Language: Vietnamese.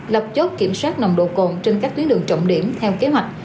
lập chốt kiểm soát nồng độ cồn trên các tuyến đường trọng điểm theo kế hoạch